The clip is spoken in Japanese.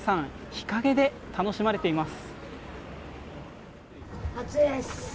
日陰で楽しまれています。